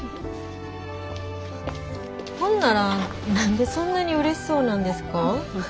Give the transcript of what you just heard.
ほんなら何でそんなにうれしそうなんですか？